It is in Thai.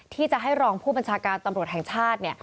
ที่จะให้รองผู้บัญชาการตำรวจแห่งชาติ